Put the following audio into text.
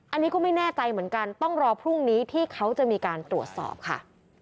อันนี้ก็ไม่แน่ใจเหมือนกันต้องรอพรุ่งนี้ที่เขาจะมีการตรวจสอบค่ะ